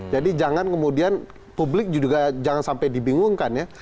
jadi jangan kemudian publik juga jangan sampai dibingungkan ya